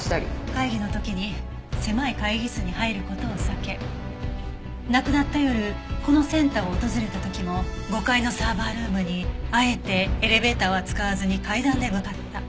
会議の時に狭い会議室に入る事を避け亡くなった夜このセンターを訪れた時も５階のサーバールームにあえてエレベーターは使わずに階段で向かった。